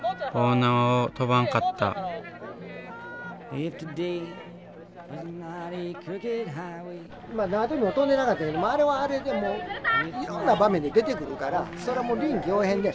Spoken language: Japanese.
縄跳びも跳んでなかったけどあれはあれでいろんな場面で出てくるからそれはもう臨機応変で。